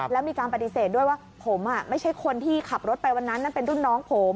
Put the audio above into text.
แล้วมีการปฏิเสธด้วยว่าผมไม่ใช่คนที่ขับรถไปวันนั้นนั่นเป็นรุ่นน้องผม